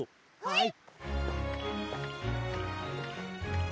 はい。